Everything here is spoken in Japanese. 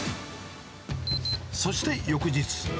そして翌日。